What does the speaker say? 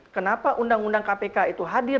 kenapa undang undang kpk itu hadir